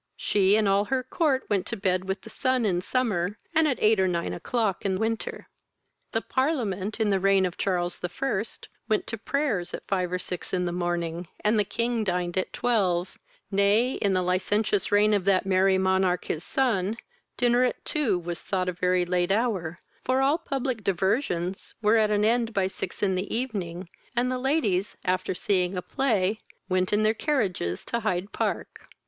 She and all her court went to bed with the sun in summer, and at eight or nine o'clock in winter. The parliament, in the reign of Charles the First, went to prayers at five or six in the morning, and the king dined at twelve; nay, in the licentious reign of that merry monarch, his son, dinner at two was thought a very late hour; for all public diversions were at an end by six in the evening, and the ladies, after seeing a play, went in their carriages to Hyde Park.